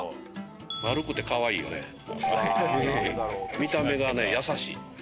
見た目がね優しい。